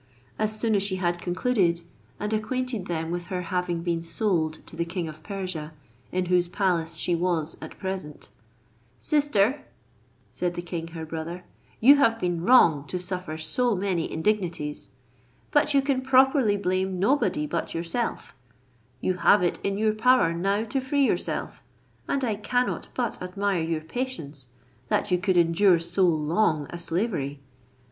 As scon as she had concluded, and acquainted them with her having been sold to the king of Persia, in whose palace she was at present; "Sister," said the king her brother, "you have been wrong to suffer so many indignities, but you can properly blame nobody but yourself; you have it in your power now to free yourself, and I cannot but admire your patience, that you could endure so long a slavery.